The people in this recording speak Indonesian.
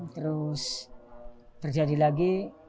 terus terjadi lagi